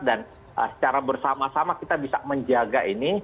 dan secara bersama sama kita bisa menjaga ini